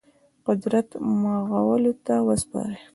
قدرت مغولو ته وسپاري.